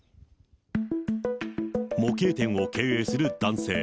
模型店を経営する男性。